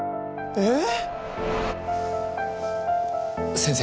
えっ⁉